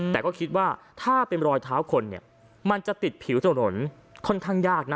แต่ก็คิดว่าถ้าเป็นรอยเท้าคนเนี่ยมันจะติดผิวถนนค่อนข้างยากนะ